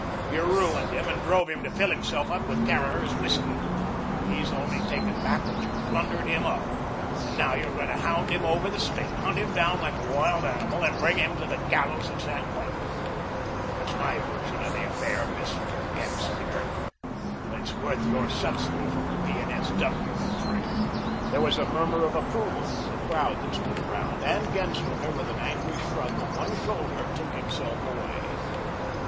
You ruined him and drove him to fill himself up with Caraher's whiskey. He's only taken back what you plundered him of, and now you're going to hound him over the State, hunt him down like a wild animal, and bring him to the gallows at San Quentin. That's my version of the affair, Mister Genslinger, but it's worth your subsidy from the P. and S. W. to print it." There was a murmur of approval from the crowd that stood around, and Genslinger, with an angry shrug of one shoulder, took himself away.